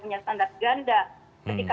punya standar ganda ketika